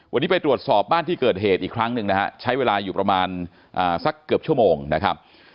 วันนี้ไปตรวจสอบบ้านที่เกิดเหตุอีกครั้งหนึ่งนะฮะใช้เวลาอยู่ประมาณสักเกือบชั่วโมงนะครับ